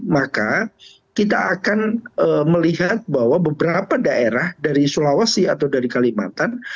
maka kita akan melihat bahwa beberapa daerah dari sulawesi atau dari kalimantan